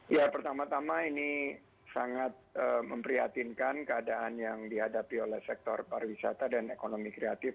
ya pertama tama ini sangat memprihatinkan keadaan yang dihadapi oleh sektor pariwisata dan ekonomi kreatif